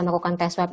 melakukan test swab